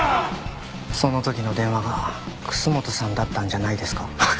その時の電話が楠本さんだったんじゃないですか。